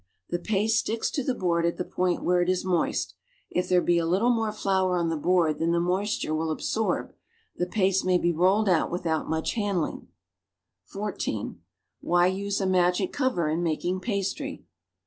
The pasle slicks lo Ihe board at the point where it is moist; if there be a little more floiu' on the board than the moisture will absorb, the paste may be rolled out without much han dling. (14) Why use a "magic cover" in making pastry?